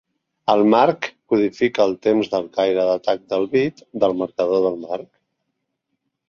El marc codifica el temps del caire d'atac del bit del marcador del marc.